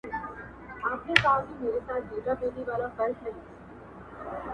لاري خالي دي له انسانانو-